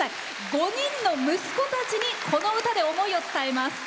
５人の息子たちにこの歌で思いを伝えます。